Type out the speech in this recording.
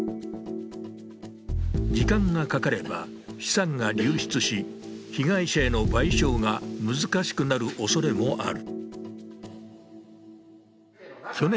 時間がかかれば資産が流出し、被害者への賠償が難しくなるおそれもある。